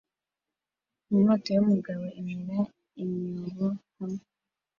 Inkota yumugabo imira imyobo hamwe